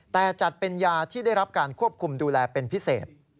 แต่จัดเป็นยาที่ได้รับการควบคุมดูแลเป็นพิเศษ